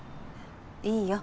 いいよ。